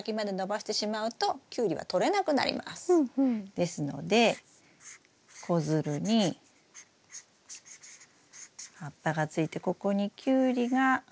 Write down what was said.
ですので子づるに葉っぱがついてここにキュウリがなったら。